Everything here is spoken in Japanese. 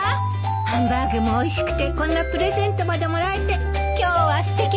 ハンバーグもおいしくてこんなプレゼントまでもらえて今日はすてきな母の日ね。